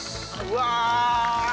うわ！